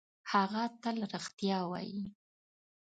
هغه تل رښتیا وايي.